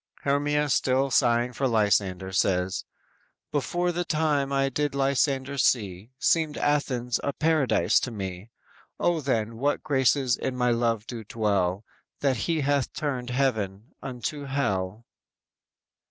"_ Hermia still sighing for Lysander says: _"Before the time I did Lysander see, Seemed Athens as a paradise to me; O then, what graces in my love do dwell That he hath turned a heaven unto hell."